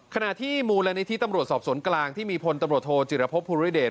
ขณะที่มูลนิธิตำรวจสอบสวนกลางที่มีพลตำรวจโทจิรพบภูริเดช